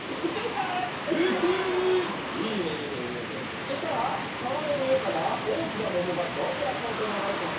そしたらかわのうえからおおきなももがどんぶらことながれてきた。